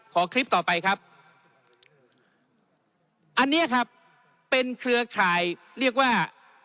ขอคลิปต่อไปครับอันเนี้ยครับเป็นเครือข่ายเรียกว่า